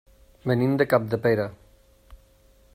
Venim de Capdepera.